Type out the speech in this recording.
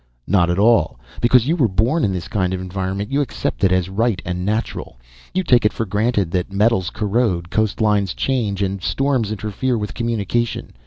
"Not at all. Because you were born in this kind of environment you accept it as right and natural. You take it for granted that metals corrode, coastlines change, and storms interfere with communication.